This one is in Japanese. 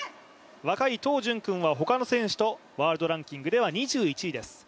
若いトウ・ジュンクンはほかの選手とワールドランキングでは２１位です。